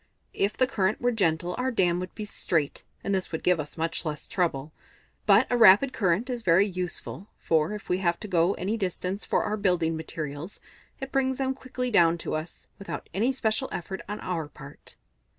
If the current were gentle, our dam would be straight, and this would give us much less trouble. But a rapid current is very useful, for if we have to go any distance for our building materials, it brings them quickly down to us, without any special effort on our part."